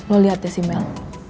lo liat ya si mel